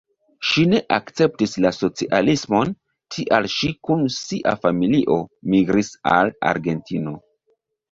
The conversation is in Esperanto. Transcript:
Ŝi ne akceptis la socialismon, tial ŝi kun sia familio migris al Argentino.